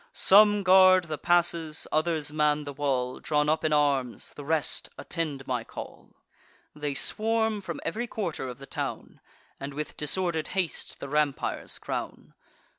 Some guard the passes, others man the wall; Drawn up in arms, the rest attend my call." They swarm from ev'ry quarter of the town, And with disorder'd haste the rampires crown.